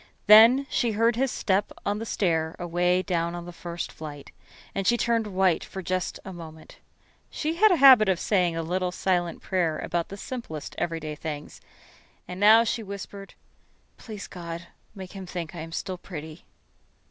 Then she heard his step on the stair away down on the first flight, and she turned white for just a moment. She had a habit of saying little silent prayers about the simplest everyday things, and now she whispered: "Please, God, make him think I am still pretty."